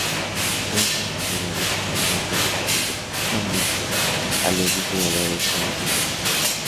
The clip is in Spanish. Es la sociedad más antigua que representa exclusivamente a los diseñadores de interiores.